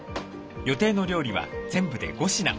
予定の料理は全部で５品。